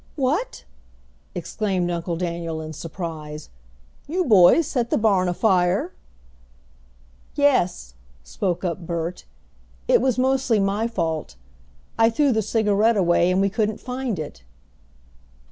"What!" exclaimed Uncle Daniel in surprise. "You boys set the barn afire!" "Yes," spoke up Bert. "It was mostly my fault. I threw the cigarette away and we couldn't find it."